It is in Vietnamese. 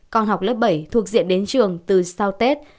con học lớp bảy thuộc diện đến trường từ sau tết